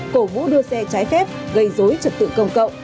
cổ vũ đua xe trái phép gây dối trật tự công cộng